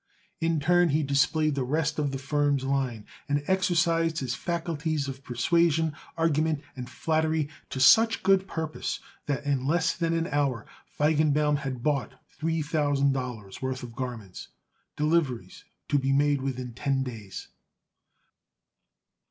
In turn, he displayed the rest of the firm's line and exercised his faculties of persuasion, argument and flattery to such good purpose that in less than an hour Feigenbaum had bought three thousand dollars' worth of garments, deliveries to be made within ten days.